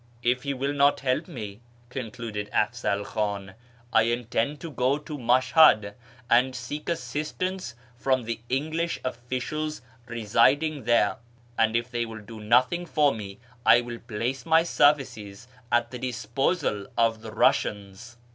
" If he will not help me," concluded Afzal Khan, " I intend to go to Mashhad and seek assistance from the English officials residing there ; and if they will do [nothing for me, I will place my services at the disposal of the [Russians."